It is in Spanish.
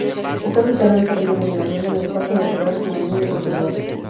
Está ubicada en las orillas del Danubio en el parque natural del Danubio Superior.